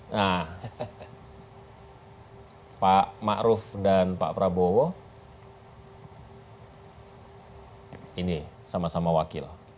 nah pak ma'ruf dan pak prabowo ini sama sama wakil